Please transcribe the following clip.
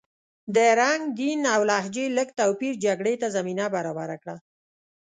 د رنګ، دین او لهجې لږ توپیر جګړې ته زمینه برابره کړه.